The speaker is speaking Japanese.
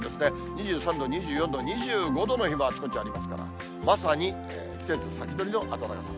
２３度、２４度、２５度の日も、あちこちありますから、まさに季節先取りの暖かさ。